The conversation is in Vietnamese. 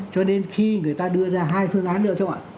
cho nên khi người ta đưa ra hai phương án lựa chọn